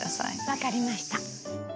分かりました。